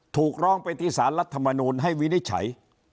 ถูกร้องไปที่สารรัฐมนูลให้วินิจฉัย